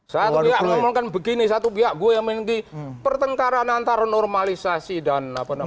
satu pihak ngomongkan begini satu pihak gue yang mengikuti pertengkaran antara normalisasi dan apa namanya